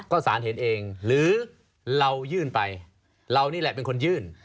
ก็สารเห็นเองหรือเรายื่นไปเรานี่แหละเป็นคนยื่น